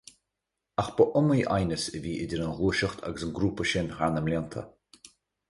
Ach ba iomaí aighneas a bhí idir an Ghluaiseacht agus an grúpa sin thar na blianta.